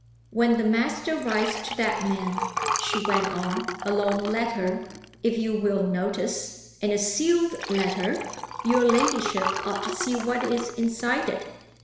"When the master writes to that man," she went on "a long letter (if you will notice), and a sealed letter your ladyship ought to see what is inside it.